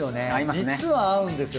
実は合うんですよ